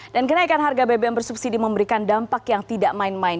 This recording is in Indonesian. dan kenaikan harga bbm bersubsidi memberikan dampak yang tidak main main